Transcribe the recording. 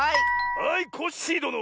はいコッシーどの！